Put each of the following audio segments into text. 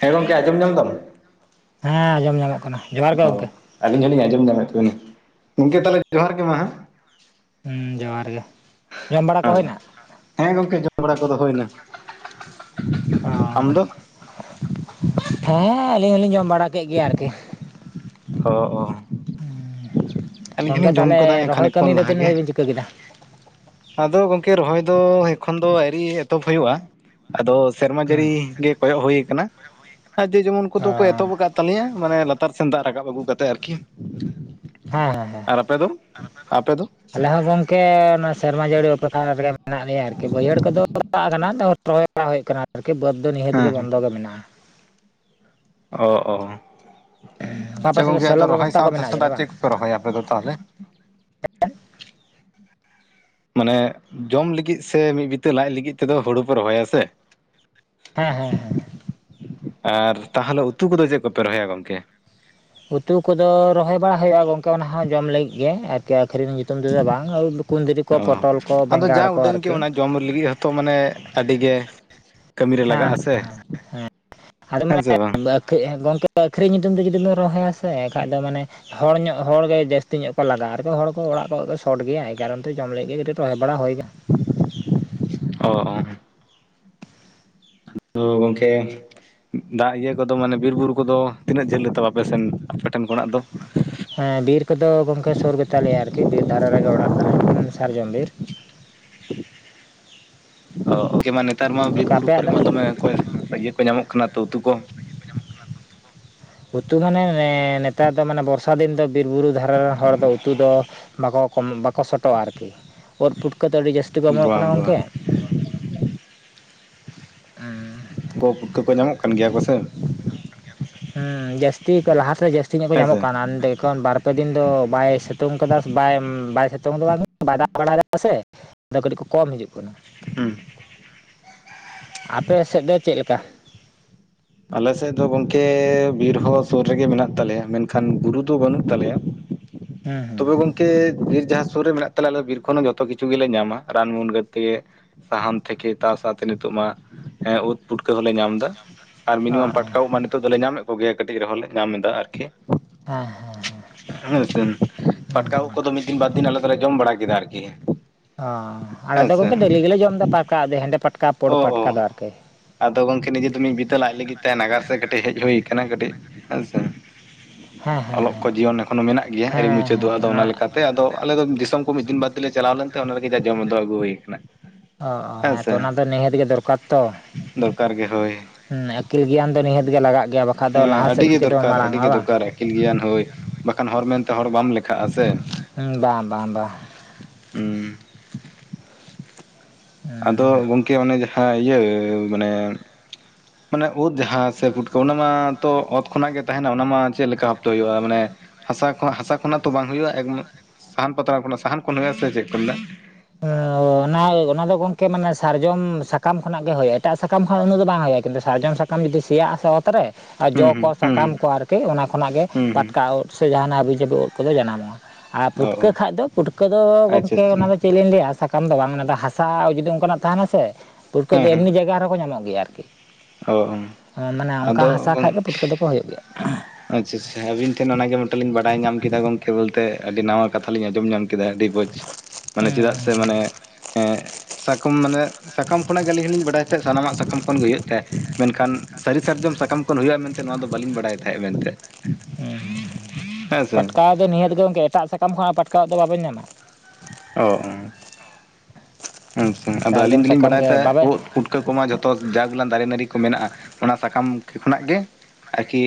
ᱦᱮᱸ ᱜᱚᱢᱠᱮ ᱟᱸᱡᱚᱢ ᱧᱟᱢ ᱫᱟᱢ ᱦᱮᱸ ᱟᱸᱡᱚᱢ ᱧᱟᱢᱚᱜ ᱠᱟᱱᱟ ᱡᱚᱦᱟᱨ ᱜᱮ ᱚ ᱜᱚᱝᱠᱮ ᱟᱹᱞᱤᱧ ᱦᱚᱞᱤᱧ ᱟᱸᱡᱚᱢ ᱧᱟᱢᱮᱫ ᱛᱮᱵᱮᱱᱟ ᱜᱚᱝᱠᱮ ᱛᱟᱦᱚᱞᱮ ᱡᱚᱦᱟᱨ ᱜᱮ ᱢᱟ ᱦᱮᱸ ᱡᱚᱦᱟᱨ ᱜᱮ ᱡᱚᱢ ᱵᱟᱲᱟ ᱠᱚ ᱦᱮᱸ᱾ ᱦᱩᱭᱱᱟ ᱦᱮᱸ ᱜᱚᱝᱠᱮ ᱡᱚᱢ ᱵᱟᱲᱟ ᱠᱚᱫᱚ ᱦᱩᱭᱱᱟ ᱟᱢ ᱫᱚ? ᱚ ᱦᱮᱸᱻ ᱟᱹᱞᱤᱧ ᱦᱚᱞᱤᱧ ᱡᱚᱢ ᱵᱟᱲᱟ ᱠᱮᱫ ᱜᱮᱭᱟ ᱟᱨᱠᱤ ᱦᱳ ᱚ। ᱟᱹᱞᱤᱧ ᱜᱚᱝᱠᱮ ᱦᱚᱞᱤᱧ ᱡᱚᱢ ᱛᱟᱦᱞᱮ ᱠᱟᱫᱟ ᱨᱚᱦᱚᱭ ᱠᱷᱟᱱᱮᱠ ᱠᱟᱹᱢᱤ ᱠᱷᱚᱱ ᱫᱚ ᱞᱟᱦᱟ ᱛᱤᱱᱟᱹᱜ ᱜᱮ᱾ ᱫᱷᱟᱵᱤᱡ ᱵᱤᱱ ᱪᱤᱠᱟᱹ ᱠᱮᱫᱟ ᱟᱫᱚ ᱜᱚᱝᱠᱮ ᱨᱚᱦᱚᱭ ᱫᱚᱻ ᱮᱠᱷᱚᱱ ᱫᱚ ᱟᱣᱨᱤ ᱮᱛᱚᱦᱚᱵ ᱦᱩᱭᱩᱜᱼᱟ ᱟᱫᱚ ᱥᱮᱨᱢᱟ ᱦᱩᱸ ᱡᱟᱹᱲᱤ ᱜᱮ ᱠᱚᱭᱚᱜ ᱦᱩᱭ ᱟᱠᱟᱱᱟ [unintelligible] ᱡᱮ ᱡᱮᱢᱚᱱ ᱚ ᱠᱚᱫᱚ ᱠᱚ ᱮᱛᱚᱦᱚᱵ [unintelligible] ᱛᱟᱞᱮᱭᱟ ᱢᱟᱱᱮ ᱞᱟᱛᱟᱨ ᱥᱮᱱ ᱫᱟᱜ ᱨᱟᱠᱟᱵ ᱟᱹᱜᱩ ᱠᱟᱛᱮᱫ ᱟᱨᱠᱤ ᱦᱮᱸ ᱦᱮᱸ ᱦᱮᱸ ᱟᱨ ᱟᱯᱮ ᱫᱚ ᱟᱯᱮ ᱫᱚ ᱠᱮ ᱱᱚᱣᱟ ᱥᱮᱨᱢᱟ ᱡᱟᱲᱤ ᱚᱯᱮᱠᱠᱷᱟ ᱨᱮᱜᱮ ᱢᱮᱱᱟᱜ ᱞᱮᱭᱟ ᱟᱨᱠᱤ ᱵᱟᱹᱭᱦᱟᱹᱲ ᱠᱚᱫᱚ ᱫᱟᱜ ᱠᱟᱱᱟ ᱟᱫᱚ ᱨᱚᱦᱚᱭ ᱵᱟᱲᱟ ᱦᱩᱭᱩᱜ ᱠᱟᱱᱟ ᱟᱨᱠᱤ᱾ ᱟᱨᱠᱤ ᱵᱟᱹᱫ ᱫᱚ ᱱᱤᱦᱟᱹᱛ ᱦᱮᱸ ᱜᱮ ᱦᱮᱸ᱾ ᱵᱚᱱ ᱫᱚ ᱜᱮ ᱢᱮᱱᱟᱜ-ᱟ ᱚ ᱚ ᱟᱯᱮ ᱟᱪᱪᱷᱟ ᱥᱮᱫ ᱫᱚ ᱜᱚᱝᱠᱮ ᱟᱫᱚ ᱥᱮᱞᱚ ᱨᱚᱦᱚᱭ ᱵᱮᱵᱚᱥᱛᱷᱟ ᱠᱚ ᱥᱟᱶᱛᱮ ᱢᱮᱱᱟᱜᱼᱟ ᱡᱟᱹᱱᱤᱡ ᱥᱮᱫᱟᱜ ᱵᱟᱝ ᱪᱮᱫ ᱠᱚᱯᱮ ᱨᱚᱦᱚᱭᱟ ᱟᱯᱮ ᱫᱚ ᱛᱟᱦᱚᱞᱮ? ᱢᱟᱱᱮ ᱡᱚᱢ ᱞᱟᱹᱜᱤᱫ ᱥᱮ ᱢᱤᱫ ᱵᱤᱛᱟᱹ ᱞᱟᱡ ᱞᱟᱹᱜᱤᱫ ᱛᱮ ᱫᱚ ᱦᱩᱲᱩ ᱯᱮ ᱨᱚᱦᱚᱭᱟ ᱥᱮ ᱦᱮᱸ ᱦᱮᱸ ᱦᱮᱸ ᱟᱨ ᱛᱟᱦᱚᱞᱮ ᱩᱛᱩ ᱠᱚᱫᱚ ᱪᱮᱫ ᱠᱚᱯᱮ ᱨᱚᱦᱚᱭᱟ ᱜᱚᱢᱠᱮ ᱩᱛᱩ ᱠᱚᱫᱚ ᱨᱚᱦᱚᱭ ᱵᱟᱲᱟ ᱦᱩᱭᱩᱜᱼᱟ ᱜᱚᱢᱠᱮ ᱚᱱᱟ ᱦᱚ ᱡᱚᱢ ᱞᱟᱹᱜᱤᱫ ᱜᱮ ᱟᱨᱠᱤ ᱟᱹᱠᱷᱨᱤᱧ [unintelligible] ᱛᱚᱢ ᱛᱮᱫᱚ ᱵᱟᱝ ᱠᱩᱸᱫᱽᱨᱤ ᱚ ᱠᱚ, ᱯᱚᱴᱚᱞ ᱠᱚ, ᱟᱫᱚ ᱡᱟ ᱵᱮᱸᱜᱟᱲ ᱠᱚ ᱩᱰᱟᱹᱝ ᱜᱮ ᱟᱨᱠᱤ ᱚᱱᱟ ᱡᱚᱢ ᱞᱟᱹᱜᱤᱫ ᱦᱚᱛᱚ ᱢᱟᱱᱮ ᱟᱰᱤ ᱜᱮ ᱠᱟᱢᱤᱨᱮ ᱦᱮᱸ ᱞᱟᱜᱟᱜᱼᱟ ᱥᱮ ᱦᱮᱸ ᱥᱮ ᱵᱟᱝ᱾ ᱠᱟᱹᱡ ᱜᱚᱝᱠᱮ ᱟᱹᱠᱷᱨᱤᱧ ᱧᱩᱛᱩᱢ ᱛᱮ ᱡᱩᱫᱤ ᱵᱮᱱ ᱨᱚᱦᱚᱭᱟ ᱥᱮ ᱮᱱᱠᱷᱟᱡ ᱫᱚ ᱢᱟᱱᱮ ᱦᱚᱲ ᱧᱚᱜ ᱦᱚᱲ ᱜᱮ ᱡᱟᱹᱥᱛᱤ ᱧᱚᱜ ᱠᱚ ᱞᱟᱜᱟᱜᱼᱟ, ᱟᱨᱠᱚ ᱦᱚᱲ ᱠᱚ ᱚᱲᱟᱜ ᱠᱚᱜ ᱠᱚ ᱥᱚᱴ ᱜᱮᱭᱟ ᱮ ᱠᱟᱨᱚᱱ ᱛᱮ ᱡᱚᱢ ᱞᱟᱜᱤᱫ ᱜᱮ ᱠᱟᱴᱤᱡ ᱨᱚᱦᱚᱭ ᱵᱟᱲᱟ ᱦᱩᱭ ᱠᱟᱱᱟ᱾ ᱚ ᱚ। ᱛᱳ ᱜᱚᱢᱠᱮ ᱫᱟᱜ ᱤᱭᱟᱹ ᱠᱚᱫᱚ ᱢᱟᱱᱮ ᱵᱤᱨᱼᱵᱩᱨᱩ ᱠᱚᱫᱚ ᱛᱤᱱᱟᱹᱜ ᱡᱷᱟᱹᱞ ᱜᱮᱛᱟ ᱟᱯᱮ ᱥᱮᱱ ᱟᱯᱮ ᱴᱷᱮᱱ ᱠᱷᱚᱱᱟᱜ ᱫᱚ ᱦᱮᱸ ᱵᱤᱨ ᱠᱚᱫᱚ ᱜᱚᱢᱠᱮ ᱥᱩᱨ ᱜᱮᱛᱟ ᱞᱮᱭᱟ ᱟᱨᱠᱤ ᱵᱤᱨ ᱫᱷᱟᱨᱟ ᱨᱮᱜᱮ ᱚᱲᱟᱜ ᱛᱟᱞᱮ ᱥᱟᱨᱡᱚᱢ ᱵᱤᱨ ᱚ ᱜᱚᱢᱠᱮ ᱢᱟ ᱱᱮᱛᱟᱨ ᱢᱟ ᱵᱤᱨ ᱜᱚᱝᱠᱮ ᱵᱩᱨᱩ ᱟᱯᱮᱭᱟᱜ ᱠᱚᱨᱮ ᱫᱚ ᱢᱟ ᱫᱚᱢᱮ ᱚᱠᱚᱭ ᱤᱭᱟᱹ ᱠᱚ ᱧᱟᱢᱚᱜ ᱠᱟᱱᱟ ᱛᱚ ᱩᱛᱩ ᱠᱚ ᱩᱛᱩ ᱢᱟᱱᱮ ᱱᱮᱛᱟᱨ ᱫᱚ ᱢᱟᱱᱮ ᱵᱚᱨᱥᱟ ᱫᱤᱱ ᱫᱚ ᱵᱤᱨ ᱵᱩᱨᱩ ᱫᱷᱟᱨᱮ ᱨᱮᱱ ᱦᱚᱲ ᱫᱚ ᱩᱛᱩ ᱫᱚ ᱵᱟᱠᱚ ᱠᱚᱢ ᱵᱟᱠᱚ ᱥᱚᱴᱚᱜᱼᱟ ᱟᱨᱠᱤ ᱩᱫ ᱯᱩᱴᱠᱟᱹ ᱫᱚ ᱟᱹᱰᱤ ᱡᱟᱹᱥᱛᱤ ᱠᱚ ᱮᱢᱚᱱᱚᱜ ᱵᱟᱝ ᱠᱟᱱᱟ ᱵᱟᱝ ᱜᱚᱝᱠᱮ ᱠᱚ ᱯᱩᱴᱠᱟᱹ ᱠᱚ ᱧᱟᱢᱚᱜ ᱠᱟᱱ ᱜᱮᱭᱟ ᱠᱚᱥᱮ ᱦᱩᱸ ᱡᱟᱹᱥᱛᱤ ᱞᱟᱦᱟ ᱛᱮᱫᱚ ᱡᱟᱹᱥᱛᱤ ᱧᱚᱜ ᱠᱚ ᱦᱮᱸ ᱥᱮ ᱧᱟᱢᱚᱜ ᱠᱟᱱᱟ ᱚᱸᱰᱮ ᱠᱷᱚᱱ ᱵᱟᱨ ᱯᱮᱫᱤᱱ ᱫᱚ ᱵᱟᱭ ᱥᱤᱛᱩᱝ ᱠᱟᱫᱟ ᱥᱮ ᱵᱟᱭ ᱵᱟᱭ ᱥᱤᱛᱩᱝ ᱫᱚ ᱵᱟᱝ ᱵᱟᱭ ᱫᱟᱜ ᱵᱟᱲᱟᱭ ᱫᱟᱭ ᱥᱮ ᱟᱫᱚ ᱠᱟᱹᱴᱤᱡ ᱠᱚ ᱠᱚᱢ ᱦᱤᱡᱩᱜ ᱠᱟᱱᱟ ᱦᱮᱸ ᱟᱯᱮ ᱥᱮᱫ ᱫᱚ ᱪᱮᱫᱞᱮᱠᱟ ᱟᱞᱮ ᱥᱮᱫ ᱫᱚ ᱜᱚᱢᱠᱮ ᱵᱤᱨ ᱦᱚᱸ ᱥᱩᱨ ᱨᱮᱜᱮ ᱢᱮᱱᱟᱜ ᱛᱟᱞᱮᱭᱟ ᱢᱮᱱᱠᱷᱟᱱ ᱵᱩᱨᱩ ᱫᱚ ᱵᱟᱹᱱᱩᱜ ᱛᱟᱞᱮᱭᱟ। ᱦᱩᱸ ᱦᱩᱸ ᱛᱚᱵᱮ ᱜᱚᱝ ᱛᱮ ᱵᱤᱨ ᱡᱟᱸᱦᱟᱸ ᱥᱩᱨ ᱨᱮ ᱢᱮᱱᱟᱜ ᱛᱟᱞᱮᱭᱟ ᱟᱞᱮ ᱵᱤᱨ ᱠᱷᱚᱱ ᱦᱚᱸ ᱡᱷᱚᱛᱚ ᱠᱤᱪᱷᱩ ᱜᱮᱞᱮ ᱧᱟᱢᱟ ᱨᱟᱱ ᱢᱩᱨᱜᱟᱹᱱ ᱛᱮ ᱥᱟᱦᱟᱱ ᱛᱷᱮᱠᱮ ᱛᱟ ᱥᱟᱶᱛᱮ ᱱᱤᱛᱚᱜ ᱢᱟ ᱮᱸ ᱩᱫ ᱯᱩᱴᱠᱟᱹ ᱦᱚᱸᱞᱮ ᱧᱟᱢ ᱫᱟ᱾ ᱟᱨ ᱚ ᱢᱤᱱᱤᱢᱟᱢ ᱚ ᱯᱟᱴᱠᱟᱣᱚᱜ ᱢᱟ ᱱᱤᱛᱚᱜ ᱫᱚᱞᱮ ᱧᱟᱢᱮᱫ ᱠᱚᱜᱮᱭᱟ ᱠᱟᱹᱴᱤᱡ ᱨᱮᱦᱚᱸ ᱞᱮ ᱧᱟᱢ ᱮᱫᱟ ᱟᱨᱠᱤ ᱦᱮᱸ ᱦᱮᱸ ᱦᱮᱸ ᱯᱟᱴᱠᱟ ᱩᱫ ᱦᱩᱸ ᱠᱚᱫᱚ ᱢᱤᱫ ᱫᱤᱱ ᱵᱟᱨ ᱫᱤᱱ ᱟᱞᱮ ᱫᱚᱞᱮ ᱡᱚᱢ ᱵᱟᱲᱟ ᱠᱮᱫᱟ ᱟᱨᱠᱤ ᱚᱻ ᱦᱮᱸ ᱟᱞᱮᱫᱚ ᱥᱮ ᱜᱚᱢᱠᱮ ᱰᱮᱞᱤ ᱜᱮᱞᱮ ᱡᱚᱢ ᱮᱫᱟ ᱯᱟᱴᱠᱟ ᱦᱮᱸᱫᱮ ᱯᱟᱴᱠᱟ ᱯᱳᱲ ᱚ ᱚ ᱯᱟᱴᱠᱟ ᱫᱚ ᱟᱨᱠᱤ ᱟᱫᱚ ᱜᱚᱝᱠᱮ ᱱᱤᱡᱮ ᱫᱚ ᱢᱤᱫ ᱵᱤᱛᱟᱹ ᱞᱟᱡ ᱞᱟᱹᱜᱤᱫ ᱛᱮ ᱱᱟᱜᱟᱨ ᱥᱮᱫ ᱠᱟᱹᱴᱤᱡ ᱦᱮᱡ ᱦᱩᱭ ᱠᱟᱱᱟ ᱠᱟᱹᱴᱤᱡ ᱦᱮᱸᱥᱮ ᱦᱮᱸ ᱦᱮᱸ ᱚᱞᱚᱜ ᱠᱚ ᱡᱤᱭᱚᱱ ᱮᱠᱷᱚᱱᱳ ᱢᱮᱱᱟᱜ ᱜᱮᱭᱟ ᱦᱮᱸ ᱟᱣᱨᱤ ᱦᱮᱸ ᱢᱩᱪᱟᱹᱫᱚᱜ ᱦᱮᱸ ᱟᱫᱚ ᱚᱱᱟ ᱞᱮᱠᱟᱛᱮ ᱟᱫᱚ ᱟᱞᱮ ᱫᱚ ᱫᱤᱥᱚᱢ ᱠᱚ ᱢᱤᱫ ᱫᱤᱱ ᱵᱟᱫᱽ ᱛᱮᱞᱮ ᱪᱟᱞᱟᱣ ᱞᱮᱱ ᱛᱟᱦᱮ ᱚᱱᱟ ᱞᱟᱹᱜᱤᱫ ᱜᱮ ᱡᱟ ᱡᱚᱢ ᱫᱚ ᱟᱹᱜᱩ ᱦᱩᱭ ᱟᱠᱟᱱᱟ ᱚ ᱦᱮᱸ ᱛᱚ ᱚᱱᱟ ᱫᱚ ᱱᱤᱦᱟᱹᱛ ᱜᱮ ᱫᱚᱨᱠᱟᱨ ᱛᱚ ᱫᱚᱨᱠᱟᱨ ᱜᱮ ᱦᱳᱭ ᱦᱮᱸ ᱟᱹᱠᱤᱞ ᱜᱮᱭᱟᱱ ᱫᱚ ᱱᱤᱦᱟᱹᱛ ᱜᱮ ᱞᱟᱜᱟᱜ ᱜᱮᱭᱟ ᱵᱟᱠᱷᱟᱡ ᱫᱚ ᱦᱮᱸ ᱞᱟᱦᱟ ᱥᱮᱫ ᱟᱹᱰᱤᱜᱮ ᱪᱤᱠᱟᱹᱛᱮᱵᱚᱱ ᱫᱚᱨᱠᱟᱨ ᱢᱟᱲᱟᱝᱚᱜᱼᱟ ᱟᱹᱰᱤᱜᱮ ᱵᱟᱝ ᱫᱚᱨᱠᱟᱨ ᱟᱹᱠᱤᱞ ᱜᱮᱭᱟᱱ ᱦᱳᱭ ᱵᱟᱠᱷᱟᱱ ᱦᱚᱲ ᱢᱮᱱᱛᱮ ᱦᱚᱲ ᱵᱟᱢ ᱞᱮᱠᱷᱟᱜᱼᱟ ᱥᱮ᱾ ᱵᱟᱝ ᱵᱟᱝ ᱵᱟᱝ ᱦᱩᱸ ᱟᱫᱚ ᱦᱮᱸ ᱜᱚᱢᱠᱮ ᱚᱱᱮ ᱡᱟᱦᱟᱸ ᱤᱭᱟᱹ, ᱢᱟᱱᱮ ᱢᱟᱱᱮ ᱳᱫᱽ ᱡᱟᱦᱟᱸ ᱥᱮ ᱯᱷᱩᱴᱠᱟᱹ ᱚᱱᱟ ᱢᱟᱛᱚ ᱚᱛ ᱠᱷᱚᱱᱟᱜ ᱜᱮ ᱛᱟᱦᱮᱱᱟ ᱚᱱᱟ ᱢᱟ ᱪᱮᱫ ᱞᱮᱠᱟ ᱵᱷᱟᱯᱛᱮ ᱦᱩᱭᱩᱜᱼᱟ? ᱢᱟᱱᱮ ᱦᱟᱥᱟ ᱦᱟᱥᱟ ᱠᱷᱚᱱᱟᱜ ᱛᱚ ᱵᱟᱝ ᱦᱩᱭᱩᱜᱼᱟ ᱮᱠ ᱥᱟᱦᱟᱱ ᱯᱟᱛᱲᱟ ᱠᱷᱚᱱᱟᱜ ᱥᱟᱦᱟᱱ ᱠᱷᱚᱱ ᱦᱩᱭᱩᱜ ᱟ ᱥᱮ ᱪᱮᱫ ᱠᱚ [unintelligible] [unintelligible] ᱚᱱᱟ ᱫᱚ ᱜᱚᱢᱠᱮ ᱢᱟᱱᱮ ᱥᱟᱨᱡᱚᱢ ᱥᱟᱠᱟᱢ ᱠᱷᱚᱱᱟᱜ ᱜᱮ ᱦᱩᱭᱩᱜᱼᱟ ᱮᱴᱟᱜ ᱥᱟᱠᱟᱢ ᱠᱷᱚᱱᱟᱜ ᱩᱱᱟᱜ ᱫᱚ ᱵᱟᱝ ᱦᱩᱭᱩᱜᱼᱟ᱾ ᱠᱤᱱᱛᱩ ᱥᱟᱨᱡᱚᱢ ᱥᱟᱠᱟᱢ ᱥᱟᱠᱟᱢ ᱡᱩᱫᱤ ᱥᱮᱭᱟᱜ ᱟᱥᱮ ᱚᱛ ᱨᱮ ᱟᱨ ᱦᱩᱸ ᱡᱚ ᱠᱚ ᱦᱩᱸ ᱥᱟ ᱦᱩᱸ ᱠᱟᱢ ᱠᱚ ᱟᱨᱠᱤ ᱚᱱᱟ ᱠᱷᱚᱱᱟᱜ ᱜᱮ ᱦᱩᱸ ᱦᱩᱸ ᱯᱟᱛᱠᱟ ᱳᱫᱽ ᱥᱮ ᱡᱟᱦᱟᱱᱟᱜ ᱦᱟᱵᱤᱡᱟᱹᱵᱤ ᱳᱫᱽ ᱠᱚᱫᱚ ᱡᱟᱱᱟᱢᱚᱜᱼᱟ᱾ ᱟᱨ ᱦᱩᱸ ᱚ ᱯᱩᱴᱠᱟᱹ ᱚ ᱠᱷᱟᱡ ᱫᱚ ᱯᱩᱴᱠᱟᱹ ᱫᱚ ᱟᱪᱪᱷᱟ ᱜᱚᱢᱠᱮ ᱟᱪᱪᱷᱟ ᱚᱱᱟᱫᱚ ᱪᱮᱫ ᱞᱤᱧ ᱞᱟᱹᱭᱟ ᱥᱟᱠᱟᱢ ᱫᱚ ᱵᱟᱝ ᱚᱱᱟᱫᱚ ᱦᱟᱥᱟ ᱡᱩᱫᱤ ᱚᱱᱠᱟᱱᱟᱜ ᱛᱟᱦᱮᱱᱟ ᱥᱮ, ᱯᱩᱴᱠᱟᱹ ᱦᱮᱸ ᱫᱚ ᱦᱮᱸ ᱮᱢᱱᱤ ᱡᱟᱭᱜᱟ ᱨᱮᱦᱚᱸ ᱧᱟᱢᱚᱜ ᱜᱮᱭᱟ ᱟᱨᱠᱤ, ᱚ ᱢᱟᱱᱮ ᱚᱱᱠᱟ ᱟᱫᱚ ᱦᱟᱥᱟ ᱠᱷᱟᱡ ᱜᱮ ᱜᱚᱝᱠᱮ ᱯᱩᱴᱠᱟᱹ ᱫᱚ ᱠᱚ ᱦᱩᱭᱩᱜ ᱜᱮᱭᱟ᱾ ᱟᱪᱪᱷᱟ ᱟᱪᱷᱟ ᱟᱹᱵᱤᱱ ᱴᱷᱮᱱ ᱚᱱᱟ ᱜᱮ ᱢᱤᱫᱴᱟᱝ ᱞᱤᱧ ᱵᱟᱰᱟᱭ ᱧᱟᱢ ᱠᱮᱫᱟ ᱜᱚᱝᱠᱮ ᱵᱚᱞᱛᱮ ᱟᱹᱰᱤ ᱱᱟᱣᱟ ᱠᱟᱛᱷᱟᱞᱤᱧ ᱟᱸᱡᱚᱢ ᱧᱟᱢ ᱠᱮᱫᱟ ᱟᱹᱰᱤ ᱵᱚᱡᱽ, ᱢᱟᱱᱮ ᱦᱩᱸ ᱪᱮᱫᱟᱜ ᱥᱮ ᱢᱟᱱᱮ ᱥᱟᱵ ᱠᱟᱢ ᱢᱟᱱᱮ ᱥᱟᱠᱟᱢ ᱠᱷᱚᱱᱟᱜ ᱜᱮ ᱟᱹᱞᱤᱧ ᱦᱚᱞᱤᱧ ᱵᱟᱰᱟᱭ ᱛᱟᱦᱮᱸᱫ ᱥᱟᱱᱟᱢᱟᱜ ᱥᱟᱠᱟᱢ ᱠᱷᱚᱱ ᱜᱮ ᱦᱩᱭᱩᱜ ᱛᱟᱦᱮᱫ ᱢᱮᱱᱠᱷᱟᱱ ᱥᱟᱹᱨᱤ ᱥᱟᱨᱡᱚᱢ ᱥᱟᱠᱟᱢ ᱠᱷᱚᱱ ᱦᱩᱭᱩᱜᱼᱟ ᱢᱮᱱᱛᱮ ᱱᱚᱣᱟ ᱫᱚ ᱵᱟᱹᱞᱤᱧ ᱵᱟᱲᱟᱭ ᱛᱟᱦᱮᱸᱫ ᱢᱮᱱᱛᱮ᱾ ᱦᱩᱸ ᱦᱩᱸ ᱦᱩᱸ ᱦᱮᱸ ᱥᱮ ᱯᱟᱴᱠᱟ ᱳᱫᱽ ᱫᱚ ᱱᱤᱦᱟᱹᱛ ᱜᱮ ᱜᱚᱢᱠᱮ ᱮᱴᱟᱜ ᱥᱟᱠᱟᱢ ᱠᱷᱚᱱᱟᱜ ᱯᱟᱴᱠᱟ ᱳᱫᱽ ᱫᱚ ᱵᱟᱵᱮᱱ ᱧᱟᱢᱟ᱾ ᱚ ᱟᱪᱸᱪᱷᱟ ᱟᱫᱚ ᱟᱞᱤᱧ ᱥᱟᱨᱡᱚᱢ ᱫᱚᱞᱤᱧ ᱥᱟᱠᱟᱢ ᱵᱟᱲᱟᱭᱮᱫ ᱜᱮ ᱛᱟᱦᱮᱸᱫ ᱵᱟᱵᱮᱱ ᱳᱫᱽ ᱯᱩᱴ ᱠᱟᱹ ᱠᱚᱢᱟ ᱡᱷᱚᱛᱚ ᱡᱟ ᱜᱩᱞᱟᱝ ᱫᱟᱨᱮ ᱱᱟᱹᱲᱤ ᱠᱚ ᱢᱮᱱᱟᱜᱼᱟ ᱚᱱᱟ ᱥᱟᱠᱟᱢ ᱠᱷᱚᱱᱟᱜ ᱜᱮ ᱟᱨᱹᱠᱤ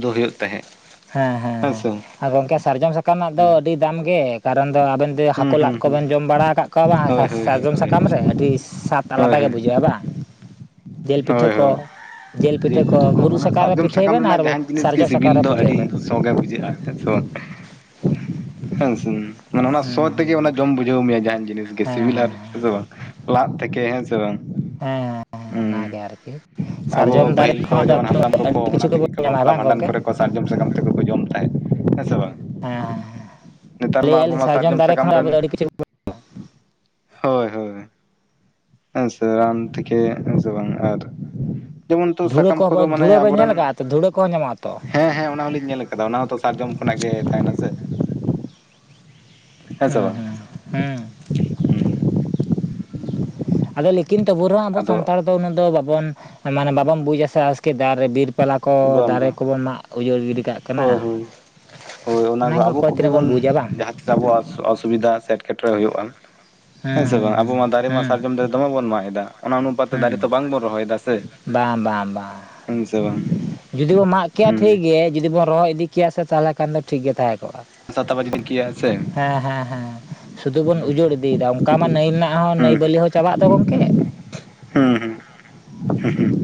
ᱫᱚ ᱦᱩᱭᱩᱜ ᱛᱟᱦᱮᱸᱫ᱾ ᱦᱮᱸ ᱦᱮᱸ ᱦᱮᱸ ᱦᱮᱸᱥᱮ ᱟᱨ ᱜᱚᱝᱠᱮ ᱥᱟᱨᱡᱚᱢ ᱥᱟᱠᱟᱢ ᱨᱮᱱᱟᱜ ᱫᱚ ᱦᱩᱸ ᱟᱹᱰᱤ ᱫᱟᱢ ᱜᱮ, ᱠᱟᱨᱚᱱ ᱫᱚ ᱟᱵᱮᱱ ᱡᱮ ᱦᱩᱸ ᱦᱟᱹᱠᱩ ᱦᱩᱸ ᱞᱟᱫ ᱦᱩᱸ ᱠᱚᱵᱮᱱ ᱡᱚᱢ ᱵᱟᱲᱟ ᱟᱠᱟᱫ ᱠᱚᱣᱟ ᱦᱳᱭ ᱦᱳᱭ ᱦᱳᱭ ᱵᱟᱝ ᱥᱟᱨᱡᱚᱢ ᱦᱳᱭ ᱥᱟᱠᱟᱢ ᱨᱮ, ᱟᱹᱰᱤ ᱥᱟᱛ ᱦᱳᱭ ᱟᱞᱟᱫᱟ ᱜᱮ ᱦᱳᱭ ᱵᱩᱡᱷᱟᱹᱜᱼᱟ ᱵᱟᱝ? ᱡᱤᱞ ᱯᱤᱴᱷᱟᱹ ᱦᱳᱭ ᱠᱚ, ᱦᱳᱭ ᱡᱤᱞ ᱯᱤᱴᱷᱟᱹ ᱠᱚ ᱢᱩᱨᱩᱫ ᱢᱟᱱᱮ ᱥᱟᱠᱟᱢ ᱨᱮ ᱥᱟᱨᱡᱚᱢ ᱯᱤᱴᱷᱟᱹᱭ ᱵᱮᱱ ᱟᱨ ᱨᱮᱱᱟᱜ ᱡᱟᱦᱟᱸᱱ ᱡᱤᱱᱤᱥ ᱜᱮ ᱥᱟᱨᱡᱚᱢ ᱥᱟᱠᱟᱢ ᱥᱤᱵᱤᱞ ᱨᱮ ᱫᱚ ᱯᱤᱴᱷᱟᱹ ᱟᱹᱰᱤ ᱥᱚ ᱜᱮ ᱯᱷᱳᱱᱵᱩᱡᱷᱟᱹᱜᱼᱟ ᱦᱮᱸ ᱥᱮ ᱵᱟᱝ? ᱦᱮᱸᱥᱮ ᱢᱟᱱᱮ ᱚᱱᱟ ᱥᱚ ᱦᱮᱸ ᱛᱮᱜᱮ ᱚᱱᱟ ᱡᱚᱢ ᱵᱩᱡᱷᱟᱹᱣ ᱢᱮᱭᱟ ᱡᱟᱦᱟᱱ ᱡᱤᱱᱤᱥ ᱜᱮ ᱥᱤᱵᱤᱞᱟ ᱟᱨ ᱦᱮᱸ ᱥᱮ ᱵᱟᱝ ᱞᱟᱫ ᱛᱮᱠᱮ ᱦᱮᱸᱥᱮ ᱵᱟᱝ? ᱦᱮᱸ ᱦᱮᱸ ᱚᱱᱟᱜᱮ ᱦᱩᱸ ᱟᱨᱠᱤ ᱟᱵᱚ ᱥᱟᱨᱡᱚᱢ ᱫᱟᱨᱮ ᱯᱟᱹᱦᱤᱞ ᱠᱚ ᱠᱷᱚᱱᱟᱜ ᱫᱚ ᱡᱮᱢᱚᱱ ᱟᱵᱚ ᱫᱚ ᱦᱟᱯᱲᱟᱢ ᱟᱹᱰᱤ ᱠᱚᱠᱚ ᱠᱤᱪᱷᱩ ᱚᱱᱟ ᱛᱮᱜᱮ ᱜᱮᱵᱚᱱ ᱠᱚ ᱧᱟᱢᱟ᱾ ᱵᱟᱯᱞᱟ ᱵᱟᱝ ᱵᱷᱟᱸᱰᱟᱱ ᱜᱚᱢᱠᱮ? ᱠᱚᱨᱮ ᱥᱟᱨᱡᱚᱢ ᱥᱟᱠᱟᱢ ᱛᱮᱠᱚ ᱠᱚ ᱡᱚᱢ ᱛᱟᱦᱮᱸᱫ, ᱦᱮᱸ ᱥᱮ ᱵᱟᱝ? ᱦᱮᱸ ᱱᱮᱛᱟᱨ ᱢᱟ ᱞᱟᱹᱭᱮᱫᱼᱟ ᱟᱵᱚ ᱞᱤᱧ ᱢᱟ ᱥᱟᱨᱡᱚᱢ ᱫᱟᱨᱮ ᱥᱟᱠᱟᱢ ᱠᱷᱚᱱᱟᱜ ᱟᱵᱚ ᱫᱚ ᱨᱮᱱ ᱟᱹᱰᱤ ᱠᱤᱪᱷᱩ ᱦᱳᱭ ᱦᱳᱭ ᱟᱨᱥᱮ ᱨᱟᱱ ᱛᱮᱠᱮᱹ ᱵᱟᱝ ᱟᱨ ᱡᱮᱢᱚᱱ ᱱᱤᱛᱚᱜ ᱫᱷᱩᱲᱟᱹ ᱥᱟᱠᱟᱢ ᱠᱚᱫᱚ ᱠᱚᱦᱚᱸ ᱢᱟᱱᱮ ᱫᱷᱩᱲᱟᱹ ᱵᱮᱱ ᱧᱮᱞ ᱟᱵᱚᱨᱮᱱ ᱟᱠᱟᱫᱼᱟ ᱛᱚ ᱫᱷᱩᱲᱟᱹ ᱠᱚᱦᱚᱸ ᱧᱟᱢᱚᱜᱼᱟ ᱛᱚ ᱦᱮᱸ ᱦᱮᱸ ᱚᱱᱟ ᱦᱚᱸᱞᱤᱧ ᱧᱮᱞ ᱟᱠᱟᱫᱟ ᱚᱱᱟ ᱦᱚᱸᱛᱚ ᱥᱟᱨᱡᱚᱢ ᱠᱷᱚᱱᱟᱜ ᱜᱮ ᱛᱟᱦᱮᱱᱟ ᱥᱮ? ᱥᱮ ᱦᱮᱸ ᱵᱟᱝ ᱦᱮᱸ ᱦᱮᱸ ᱦᱩᱸ ᱟᱫᱚ ᱞᱮᱠᱤᱱ ᱛᱚᱵᱩ ᱨᱮ ᱦᱚᱸ ᱟᱵᱚ ᱟᱫᱚ ᱥᱟᱱᱛᱟᱲ ᱩᱱᱟᱹᱜ ᱫᱚ ᱵᱟᱵᱚᱱ ᱢᱟᱱᱮ ᱵᱟᱵᱚᱱ ᱵᱩᱡ ᱟᱮ ᱟᱥᱠᱮ ᱫᱟᱨᱮᱹ ᱵᱤᱨ ᱯᱟᱞᱟ ᱠᱚ ᱵᱟᱝ ᱫᱟᱨᱮ ᱵᱟᱝ ᱠᱚᱵᱚᱱ ᱢᱟᱜ ᱩᱡᱟᱹᱲ ᱜᱤᱰᱤ ᱠᱟᱜ ᱠᱟᱱᱟ᱾ ᱦᱳᱭ ᱦᱳᱭ ᱦᱳᱭ ᱚᱱᱟ ᱫᱚ ᱜᱮ ᱟᱵᱚ ᱚᱠᱚᱭ ᱠᱚᱜᱮ ᱛᱤᱱᱟᱹᱜ ᱵᱚᱱ ᱵᱩᱡᱟ ᱵᱟᱝ ᱡᱟᱦᱟᱸ ᱛᱤᱥ ᱟᱵᱚᱣᱟᱜ ᱚᱥᱩᱵᱤᱫᱷᱟ ᱥᱮ ᱮᱴᱠᱮᱴᱚᱲᱮ ᱦᱩᱭᱩᱜᱼᱟ᱾ ᱦᱮᱸ ᱦᱩᱸ ᱥᱮ ᱦᱩᱸ ᱵᱟᱝ ᱟᱵᱚ ᱦᱩᱸ ᱢᱟ ᱫᱟᱨᱮ ᱢᱟ ᱦᱩᱸ ᱥᱟᱨᱡᱚᱢ ᱫᱟᱨᱮ ᱫᱚᱢᱮ ᱵᱚᱱ ᱢᱟᱜ ᱮᱫᱟ᱾ ᱚᱱᱟ ᱚᱱᱩᱯᱟᱛ ᱛᱮ ᱦᱩᱸ ᱫᱟᱨᱮ ᱛᱚ ᱵᱟᱝᱵᱚᱱ ᱨᱚᱦᱚᱭ ᱫᱟ ᱥᱮ, ᱵᱟᱝ ᱵᱟᱝ ᱵᱟᱝ ᱦᱸᱩᱢ ᱥᱮ ᱵᱟᱝ? ᱡᱩᱫᱤ ᱵᱚ ᱢᱟᱜ ᱠᱮᱭᱟ ᱴᱷᱤᱠ ᱦᱩᱸ ᱜᱮ ᱡᱩᱫᱤ ᱵᱚᱱ ᱨᱚᱦᱚ ᱤᱫᱤ ᱠᱮᱭᱟ ᱥᱮ ᱛᱟᱦᱚᱞᱮ ᱠᱷᱟᱱ ᱫᱚ ᱴᱷᱤᱠ ᱜᱮ ᱛᱟᱦᱮᱸ ᱠᱚᱜᱼᱟ᱾ ᱥᱟᱶᱟᱛᱟᱵᱚ ᱡᱩᱫᱤᱠᱮᱭᱟᱹ ᱦᱮᱸ ᱦᱮᱸ ᱦᱮᱸ ᱥᱩᱫᱷᱩ ᱵᱚᱱ ᱦᱩᱸ ᱩᱡᱟᱹᱲ ᱤᱫᱤᱭᱮᱫᱟ ᱚᱱᱠᱟ ᱢᱟ ᱱᱟᱹᱭ ᱨᱮᱱᱟᱜ ᱦᱚᱸ ᱱᱟᱹᱭ ᱦᱩᱸ ᱵᱟᱹᱞᱤ ᱦᱚᱸ ᱪᱟᱵᱟᱜ ᱫᱚ ᱜᱚᱝᱠᱮ᱾ ᱦᱩᱸ ᱦᱩᱸ ᱦᱩᱸ ᱦᱩᱸ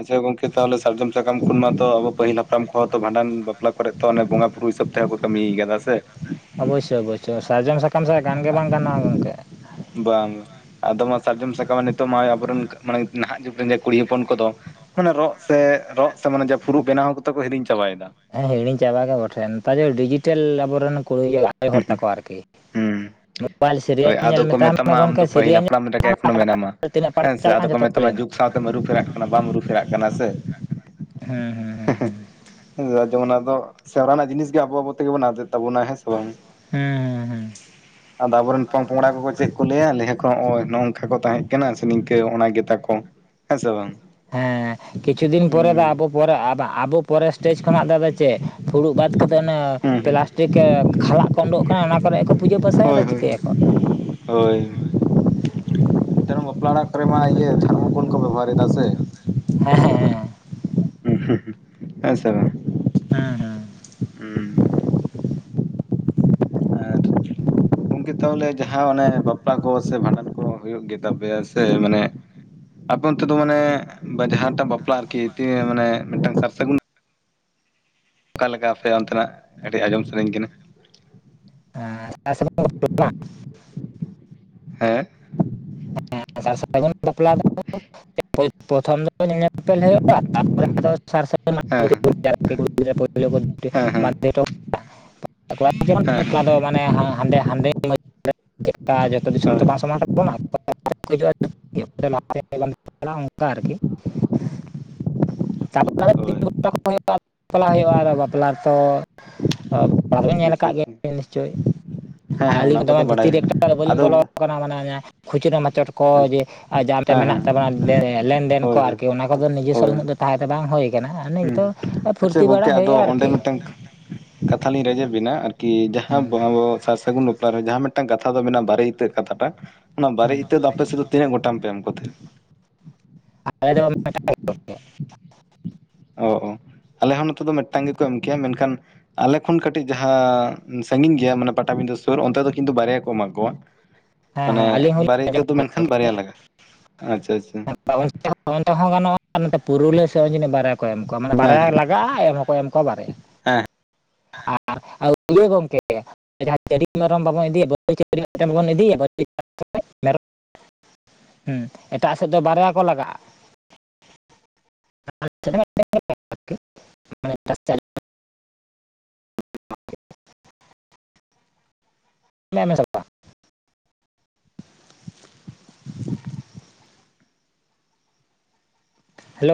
ᱟᱪᱪᱷᱟ ᱜᱚᱝᱠᱮ ᱛᱟᱦᱚᱞᱮ ᱥᱟᱨᱡᱚᱢ ᱥᱟᱠᱟᱢ ᱠᱷᱚᱱ ᱢᱟᱛᱚ ᱟᱵᱚ ᱯᱟᱹᱦᱤᱞ ᱦᱟᱯᱲᱟᱢ ᱠᱚ ᱦᱚᱸ ᱛᱚ ᱵᱷᱟᱱᱰᱟᱱ ᱵᱟᱯᱞᱟ ᱠᱚᱨᱮ ᱛᱚ ᱚᱱᱮ ᱵᱚᱸᱜᱟ ᱵᱩᱨᱩ ᱦᱤᱥᱟᱹᱵ ᱛᱮ ᱦᱚᱸᱠᱚ ᱠᱟᱹᱢᱤ ᱠᱟᱫᱟ ᱥᱮ ᱚᱵᱚᱥᱥᱳᱭ ᱚᱵᱚᱥᱥᱳᱭ ᱥᱟᱨᱡᱚᱢ ᱥᱟᱠᱟᱢ ᱪᱷᱟᱲᱟ ᱜᱟᱱ ᱜᱮ ᱵᱟᱝ ᱜᱟᱱᱚᱜᱼᱟ ᱜᱚᱢᱠᱮ ᱵᱟᱝ ᱟᱫᱚ ᱢᱟ ᱥᱟᱨᱡᱚᱢ ᱥᱟᱠᱟᱢ ᱢᱟ ᱱᱤᱛᱚᱜ ᱢᱟ ᱟᱵᱚᱨᱮᱱ ᱢᱟᱱᱮ ᱱᱟᱦᱟᱜ ᱡᱩᱜᱽ ᱨᱮᱱᱜᱮ ᱠᱩᱲᱤ ᱦᱚᱯᱚᱱ ᱠᱚᱫᱚ ᱢᱟᱱᱮ ᱨᱚᱜ ᱥᱮ ᱨᱚᱜ ᱥᱮ ᱢᱟᱱᱮ ᱯᱷᱩᱨᱩᱜ ᱵᱮᱱᱟᱣ ᱠᱟᱫᱚ ᱠᱚ ᱦᱤᱲᱤᱧ ᱪᱟᱵᱟᱭᱮᱫᱟ ᱦᱮᱸ ᱦᱤᱲᱤᱧ ᱪᱟᱵᱟ ᱜᱮ ᱵᱚᱴᱷᱮᱱ ᱱᱮᱛᱟᱨ ᱫᱚ ᱰᱤᱡᱤᱴᱮᱞ ᱟᱵᱚᱨᱮᱱ [unintelligible] ᱟᱲᱮᱹ ᱦᱚᱨ ᱛᱟᱠᱚ ᱟᱨᱠᱤ ᱦᱩᱸ ᱵᱟᱞ ᱥᱤᱨᱤᱭᱟᱞ ᱦᱳᱭ ᱧᱮᱞ ᱟᱫᱚ ᱠᱚ ᱢᱮᱛᱟᱢ ᱢᱮ ᱢᱮᱛᱟᱢᱟ ᱟᱢ ᱜᱚᱢᱠᱮ ᱫᱚ ᱯᱟᱹᱦᱤᱞ ᱥᱤᱨᱤᱭᱟᱞ ᱧᱮᱞ ᱦᱟᱯᱲᱟᱢ ᱞᱮᱠᱟ ᱞᱮᱠᱷᱟᱱ ᱮᱠᱷᱚᱱᱳ ᱟᱠᱟᱴᱟᱜ ᱢᱮᱱᱟᱢᱟ ᱛᱤᱱᱟᱹᱜ ᱯᱟᱴ ᱦᱮᱸ ᱥᱮ ᱪᱟᱞᱟᱜ ᱟᱫᱚ ᱠᱟᱱᱟ ᱡᱷᱚᱛᱚ ᱜᱮ ᱠᱚ ᱢᱮᱛᱟᱢᱟ ᱞᱟᱹᱭᱟᱢᱟ ᱡᱩᱜᱽ ᱥᱟᱶᱛᱮᱢ ᱟᱹᱨᱩᱼᱯᱷᱮᱨᱟᱜ ᱠᱟᱱᱟ ᱵᱟᱢ ᱟᱨᱩᱼᱯᱷᱮᱨᱟᱜ ᱠᱟᱱᱟ ᱥᱮ ᱦᱮᱸ ᱦᱮᱸ ᱦᱮᱸ ᱦᱮᱸ ᱦᱮᱸ ᱫᱟ ᱡᱮᱢᱚᱱ ᱟᱫᱚ ᱥᱮᱨᱣᱟ ᱨᱮᱱᱟᱜ ᱡᱤᱱᱤᱥ ᱜᱮ ᱟᱵᱚ ᱟᱵᱚ ᱛᱮᱜᱮ ᱵᱚᱱ ᱟᱫ ᱮᱫ ᱛᱟᱵᱚᱱᱟ ᱦᱮᱸ ᱥᱮ ᱵᱟᱝ ᱦᱢ ᱟᱫᱚ ᱟᱵᱚᱨᱮᱱ ᱯᱚᱝ-ᱯᱚᱝᱲᱟ ᱠᱚᱠᱚ ᱪᱮᱫ ᱠᱚ ᱞᱟᱹᱭᱟ ᱞᱟᱹᱭᱦᱟ ᱠᱚ ᱦᱚᱸᱜᱼᱚᱭ ᱱᱚᱜᱼᱚ ᱱᱚᱝᱠᱟ ᱠᱚ ᱛᱟᱦᱮᱸᱫ ᱠᱟᱱᱟ ᱥᱮ ᱱᱤᱝᱠᱟᱹ ᱚᱱᱟ ᱜᱮᱛᱟ ᱠᱚ ᱦᱮᱸ ᱥᱮ ᱵᱟᱝ ᱦᱮᱸ ᱠᱤᱪᱷᱩ ᱫᱤᱱ ᱯᱚᱨᱮ ᱫᱚ ᱦᱩᱸ ᱟᱵᱚ ᱯᱚᱨᱮ ᱟᱵᱚ ᱯᱚᱨᱮ ᱥᱴᱮᱹᱡ ᱠᱷᱚᱱᱟᱜ ᱫᱚ ᱟᱫᱚ ᱪᱮᱫ ᱯᱷᱩᱲᱩᱜ ᱵᱟᱫ ᱠᱟᱛᱮ ᱚᱱᱮ ᱦᱩᱸ ᱦᱩᱸ ᱯᱞᱟᱥᱴᱤᱠ ᱠᱷᱟᱞᱟᱜ ᱠᱚ ᱳᱱᱰᱳᱠ ᱠᱟᱱᱟ ᱚᱱᱟ ᱠᱚᱨᱮ ᱜᱮ ᱠᱚ ᱯᱩᱡᱟᱹ ᱯᱟᱥᱟᱭᱟ ᱦᱳᱭ ᱟᱫᱚ ᱦᱳᱭ ᱪᱤᱠᱟᱹᱭᱟᱠᱚ ᱦᱳᱭ ᱱᱮᱛᱟᱨ ᱚᱢ ᱵᱟᱯᱞᱟ ᱚᱲᱟᱜ ᱠᱚᱨᱮ ᱢᱟ ᱤᱭᱟᱹ ᱛᱷᱟᱨᱢᱚᱠᱚᱞ ᱠᱚ ᱵᱮᱵᱚᱦᱟᱨ ᱮᱫᱟ ᱥᱮ ᱦᱮᱸ ᱦᱮᱸᱮ ᱦᱩᱸ ᱦᱩᱸ ᱦᱢ ᱦᱮᱸ ᱥᱮ ᱵᱟᱝ ᱦᱢ ᱦᱢ ᱦᱢ ᱜᱚᱢᱠᱮ ᱛᱟᱦᱚᱞᱮ ᱡᱟᱦᱟᱸ ᱚᱱᱮ ᱵᱟᱯᱞᱟ ᱠᱚ ᱥᱮ ᱵᱷᱟᱸᱰᱟᱱ ᱠᱚ ᱦᱩᱭᱩᱜ ᱜᱮᱛᱟᱯᱮᱭᱟ ᱥᱮ ᱢᱟᱱᱮ ᱟᱯᱮ ᱚᱱᱛᱮ ᱫᱚ ᱢᱟᱱᱮ ᱡᱟᱦᱟᱸᱴᱟᱜ ᱵᱟᱯᱞᱟ ᱟᱨᱠᱤ ᱢᱟᱱᱮ ᱢᱤᱫᱴᱟᱝ ᱥᱟᱨ ᱥᱟᱹᱜᱩᱱ ᱚᱠᱟᱞᱮᱠᱟ ᱟᱯᱮ ᱚᱱᱛᱮᱱᱟᱜ ᱠᱟᱹᱴᱤᱡ ᱟᱸᱡᱚᱢ ᱥᱟᱹᱱᱟᱧ ᱠᱟᱱᱟ ᱦᱮᱸ [unintelligible] [inaudible] ᱦᱮᱸ ᱚᱱ ᱵᱟᱯᱞᱟᱚᱛᱷ [unintelligible] ᱧᱮᱞ ᱧᱮᱯᱮᱞ ᱦᱩᱭᱩᱜᱼᱟᱯ ᱦᱮᱸ [unintelligible] ᱚ ᱡᱮᱢᱚᱱ ᱦᱮᱸ ᱦᱮᱸ [unintelligible] ᱦᱮᱸ ᱠᱚ [unintelligible] ᱫᱚ [unintelligible] ᱢᱟᱱᱮᱰᱮᱰᱮ [unintelligible] ᱪᱮᱫᱠᱟ ᱡᱚᱛᱚ ᱫᱤᱥᱚᱢ ᱦᱳᱭ ᱛᱮ ᱵᱟᱝ ᱥᱢᱟᱝ ᱛᱟᱵᱚᱱᱟ [unintelligible] ᱼᱟ [unintelligible] ᱞᱟᱦᱟ [unintelligible] ᱪᱟᱜᱼᱟ [unintelligible] ᱚᱱᱠᱟ ᱟᱨᱠᱤ [unintelligible] ᱛᱟᱨᱯᱯ ᱦᱳᱭ [unintelligible] ᱦᱩᱭᱩᱜᱼᱟ ᱵᱟᱯᱞᱟ [unintelligible] ᱦᱩᱭᱩᱜᱼᱟ [unintelligible] ᱵᱟᱯᱞᱟ ᱨᱮ ᱛᱚ ᱧ ᱧᱮᱞ ᱟᱪᱪᱷᱟ ᱟᱠᱟᱫ [unintelligible] ᱟᱪᱪᱷᱟ ᱜᱮᱭᱟ ᱱᱤᱥᱪᱚᱭ ᱦᱮᱸ ᱟᱨ ᱦᱮᱸ ᱟᱹᱞᱤᱧ ᱚᱱᱟ ᱦᱚᱸ ᱫᱚᱢᱮ ᱠᱚᱫᱚ ᱵᱟᱰᱟᱭ ᱵᱷᱤᱛᱤᱨ ᱨᱮ ᱠᱟᱱᱟ ᱮᱠᱴᱟ ᱵᱟᱹᱞᱤᱧ ᱟᱫᱚ ᱵᱚᱞᱚ ᱟᱠᱟᱱᱟ ᱢᱟᱱᱮ ᱠᱷᱩᱪᱨᱟᱹ ᱢᱟᱪᱚᱴ ᱠᱚ ᱡᱮ ᱟᱪᱪᱷᱟ [unintelligible] ᱟᱨ ᱡᱟᱦᱟᱸᱛᱮ ᱦᱮᱸ ᱦᱮᱸ ᱢᱮᱱᱟᱜ ᱛᱟᱵᱚᱱᱟ ᱞᱮᱱᱫᱮᱱ ᱠᱚ ᱦᱳᱭ ᱟᱨᱠᱤ ᱚᱱᱟ ᱦᱳᱭ ᱠᱚᱫᱚ ᱱᱤᱡᱮ ᱥᱚᱵᱽ ᱦᱳᱭ ᱩᱱᱟᱹᱜ ᱫᱚ ᱛᱟᱦᱮᱸ ᱫᱚ ᱵᱟᱝ ᱦᱳᱭ ᱦ ᱠᱟᱱᱟ [unintelligible] ᱟᱨ ᱦᱩᱸ ᱱᱤᱛᱚᱜ ᱟᱪᱪᱷᱟ ᱯᱷᱩᱨᱛᱤ ᱵᱟᱲᱟ ᱜᱚᱝᱠᱮ ᱟᱫᱚ ᱦᱩᱭᱩᱜᱼᱟ ᱚᱸᱰᱮ ᱟᱨᱠᱤ᱾ ᱢᱤᱫᱴᱟᱝ ᱠᱟᱛᱷᱟ ᱞᱤᱧ ᱨᱮᱡᱤ ᱵᱮᱤᱱᱟ, ᱟᱨᱠᱤ ᱡᱟᱦᱟᱸ ᱦᱩᱸ ᱵ ᱟᱵᱚ᱾ ᱥᱟᱨ ᱥᱟᱹᱜᱩᱱ ᱵᱟᱯᱟᱨ ᱨᱮ ᱡᱟᱦᱟᱸ ᱢᱤᱫᱴᱟᱝ ᱠᱟᱛᱷᱟ ᱫᱚ ᱢᱮᱱᱟᱜᱼᱟ ᱵᱟᱨᱮ ᱤᱛᱟᱹᱟᱹᱜ ᱠᱟᱛᱷᱟᱴᱟᱜ ᱚᱱᱟ ᱵᱟᱨᱮ ᱦᱩᱸ ᱤᱛᱟᱹ ᱫᱚ ᱟᱯᱮ ᱥᱮᱫ ᱫᱚ ᱛᱤᱱᱟᱹᱜ ᱜᱚᱴᱟᱝ ᱯᱮ ᱮᱢ ᱠᱚ ᱛᱟᱦᱮᱸ? ᱟ ᱫᱚ [unintelligible] ᱴᱯᱭᱟ [unintelligible] ᱚ ᱟᱞᱮ ᱦᱚᱸ ᱱᱚᱛᱮ ᱫᱚ ᱢᱤᱫᱴᱟᱝ ᱜᱮᱠᱚ ᱮᱢ ᱠᱮᱭᱟ, ᱢᱮᱱᱠᱷᱟᱱ ᱟᱞᱮ ᱠᱷᱚᱱ ᱠᱟᱹᱴᱤᱡ ᱡᱟᱦᱟᱸ ᱥᱟᱺᱜᱤᱧ ᱜᱮᱭᱟ, ᱢᱟᱱᱮ ᱯᱟᱴᱟᱵᱤᱸᱫᱟᱹ ᱥᱩᱨ ᱚᱱᱛᱮ ᱫᱚ ᱠᱤᱱᱛᱩ ᱵᱟᱨᱭᱟ ᱠᱚ ᱮᱢᱟ ᱠᱚᱣᱟ᱾ ᱦ [unintelligible] ᱢᱟᱱᱮ ᱵᱟᱨᱮ ᱤᱛᱟᱹ ᱫᱚ ᱢᱮᱱᱠᱷᱟᱱ ᱵᱟᱨᱭᱟ ᱞᱟᱜᱟᱜᱼᱟ ᱟᱪᱪᱷᱟ ᱟᱪᱪᱷᱟ᱾ ᱦᱚᱸ ᱜᱟᱱᱚᱜᱼᱟ ᱱᱚᱛᱮ ᱯᱩᱨᱩᱞᱤᱭᱟᱹ ᱥᱮᱚᱱ ᱡᱤᱱᱤ ᱵᱟᱨᱭᱟ ᱠᱚ ᱮᱢ ᱠᱚᱣᱟ ᱦᱮᱸ ᱦᱮᱸ ᱢᱟᱱᱮᱟᱨᱭᱟ ᱞᱟᱜᱟᱜᱼᱟ ᱮᱢ ᱦᱚᱸᱠᱚ ᱮᱢ ᱠᱚᱣᱟ [unintelligible] ᱠᱚ ᱵᱟᱨᱮᱭᱟ ᱦᱮᱸ ᱤᱭᱟᱹ ᱜᱚᱢᱠᱮ ᱡᱟᱦᱟᱸ [unintelligible] ᱪᱟᱹᱰᱤ ᱢᱮᱨᱚᱢ ᱵᱟᱵᱚᱱ ᱤᱫᱤᱭᱟ ᱵᱟᱹᱨ ᱢᱮᱚᱢ ᱵᱟᱵᱚᱱ ᱤᱫᱤᱭᱟ [unintelligible] [unintelligible] ᱢᱮᱨᱚᱢ ᱮᱴᱟᱜ ᱥᱮᱫ ᱫᱚ ᱵᱟᱨᱭᱟ ᱠᱚ ᱞᱟᱜᱟᱜᱼᱟ [unintelligible] [unintelligible] ᱦᱮᱞᱳ